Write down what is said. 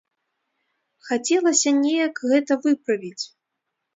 Хацелася неяк гэта выправіць.